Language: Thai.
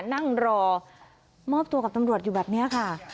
นั่งรอมอบตัวกับตำรวจอยู่แบบนี้ค่ะ